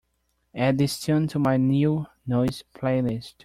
add this tune to my New Noise playlist